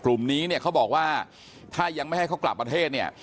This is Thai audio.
กลุ่มนี้เนี่ยเขาบอกว่าถ้ายังไม่ให้เขากลับประเทศเนี่ย